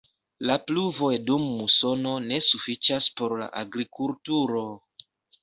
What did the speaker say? La pluvoj dum musono ne sufiĉas por la agrikulturo.